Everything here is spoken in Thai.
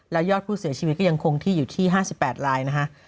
แล้วยอดผู้เสียชีวิตก็ยังคงที่อยู่ที่๕๘รายนะคะ